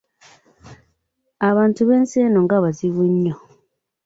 Abantu b’ensi eno nga bazibu nnyo!